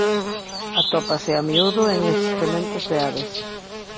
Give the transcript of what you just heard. Atópase a miúdo en excrementos de aves.